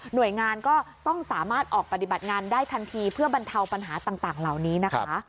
โดยงานก็ต้องสามารถออกปฏิบัติงานได้ทันทีเพื่อบรรเทาปัญหาต่างเหล่านี้นะคะ